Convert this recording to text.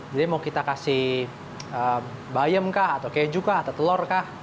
mau kita kasih bayam kah atau keju kah atau telur kah